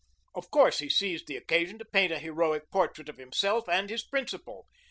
Of course he seized the occasion to paint a heroic portrait of himself and his principal.